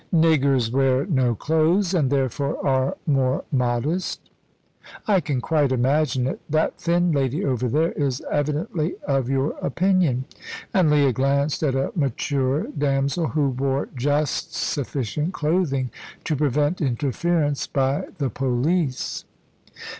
"Niggers wear no clothes, and, therefore, are more modest." "I can quite imagine it. That thin lady over there is evidently of your opinion"; and Leah glanced at a mature damsel who wore just sufficient clothing to prevent interference by the police.